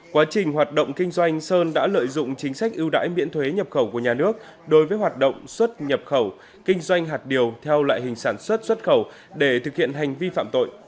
quá trình hoạt động kinh doanh sơn đã lợi dụng chính sách ưu đãi miễn thuế nhập khẩu của nhà nước đối với hoạt động xuất nhập khẩu kinh doanh hạt điều theo loại hình sản xuất xuất khẩu để thực hiện hành vi phạm tội